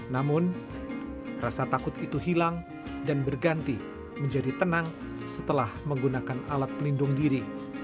namun rasa takut itu hilang dan berganti menjadi tenang setelah menggunakan alat pelindung diri